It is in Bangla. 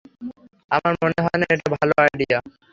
আমার মনে হয় না এটা ভালো আইডিয়া।